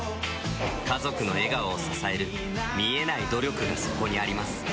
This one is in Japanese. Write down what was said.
家族の笑顔を支える見えない努力がそこにあります